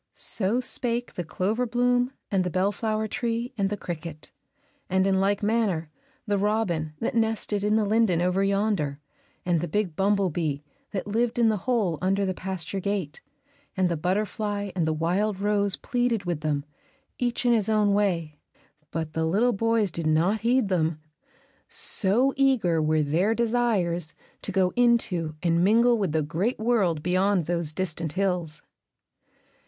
So spake the clover bloom and the bellflower tree and the cricket; and in like manner the robin that nested in the linden over yonder, and the big bumblebee that lived in the hole under the pasture gate, and the butterfly and the wild rose pleaded with them, each in his own way; but the little boys did not heed them, so eager were their desires to go into and mingle with the great world beyond those distant hills.